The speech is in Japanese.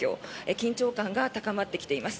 緊張感が高まってきています。